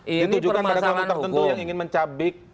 ditujukan pada kelompok tertentu yang ingin mencabik